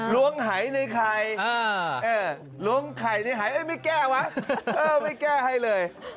ลวงไขในไขไม่แก้วะไม่แก้ให้เลย